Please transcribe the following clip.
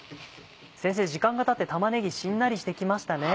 時間がたって玉ねぎしんなりして来ましたね。